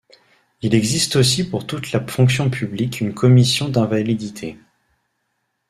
Il existe aussi pour toute la fonction publique une commission d'invalidité.